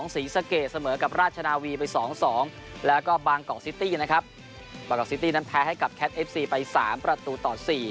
ศรีสะเกดเสมอกับราชนาวีไป๒๒แล้วก็บางกอกซิตี้นะครับบางกอกซิตี้นั้นแพ้ให้กับแคทเอฟซีไป๓ประตูต่อ๔